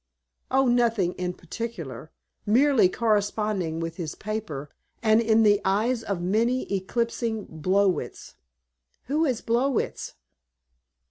"Oh, nothing in particular. Merely corresponding with his paper, and, in the eyes of many, eclipsing Blowitz." "Who is Blowitz?"